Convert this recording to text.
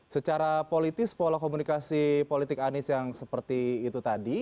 secara politis pola komunikasi politik anies yang seperti itu tadi